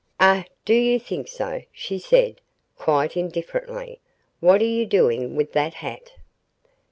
"Oh, do you think so?" she said, quite indifferently. "What are you doing with that hat?"